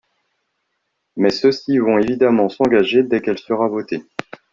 Mais ceux-ci vont évidemment s’engager dès qu’elle sera votée.